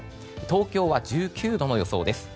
東京は１９度の予想です。